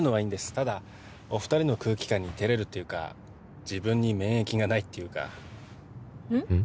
ただお二人の空気感に照れるっていうか自分に免疫がないっていうかうん？